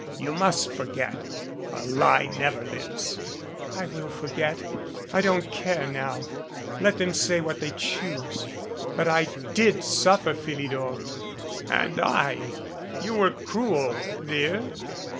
You must forget. A lie never lives." "I will forget. I don't care now. Let them say what they choose. But I did suffer, Philidor." "And I. You were cruel, dear."